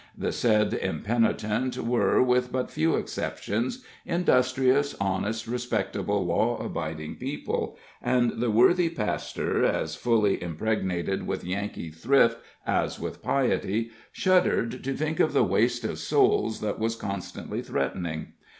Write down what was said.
The said impenitent were, with but few exceptions, industrious, honest, respectable, law abiding people, and the worthy pastor, as fully impregnated with Yankee thrift as with piety, shuddered to think of the waste of souls that was constantly threatening.